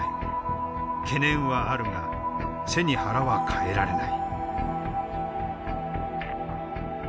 懸念はあるが背に腹は代えられない。